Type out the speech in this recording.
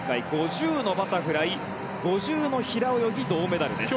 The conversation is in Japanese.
５０のバタフライ、５０の平泳ぎ銅メダルです。